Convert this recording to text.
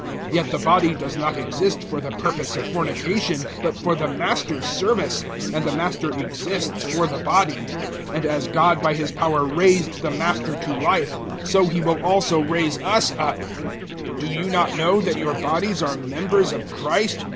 Yet the body does not exist for the purpose of fornication, but for the Master's service, and the Master exists for the body; 006:014 and as God by His power raised the Master to life, so He will also raise us up. 006:015 Do you not know that your bodies are members of Christ?